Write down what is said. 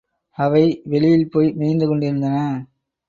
அவை வெளியில் போய் மேய்ந்து கொண்டிருந்தன.